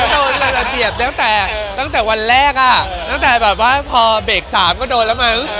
ก็โดนระเบียบตั้งแต่วันแรกอ่ะตั้งแต่แบบว่าพอเบค๓ก็โดนแล้วมั้ง